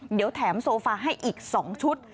เดี๋ยวแถมโซฟาให้อีก๒ชุด